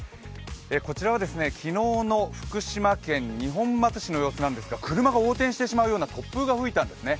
こちらは昨日の福島県二本松市の様子なんですが車が横転してしまうような突風が吹いたんですね。